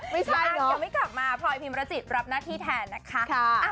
ไม่ใช่ยังไม่กลับมาพลอยพิมรจิตรับหน้าที่แทนนะคะ